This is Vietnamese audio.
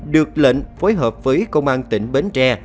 được lệnh phối hợp với công an tỉnh bến tre